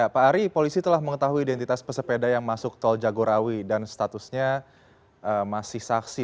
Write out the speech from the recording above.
pak ari polisi telah mengetahui identitas pesepeda yang masuk tol jagorawi dan statusnya masih saksi